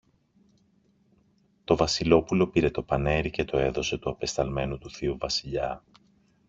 Το Βασιλόπουλο πήρε το πανέρι και το έδωσε του απεσταλμένου του θείου Βασιλιά.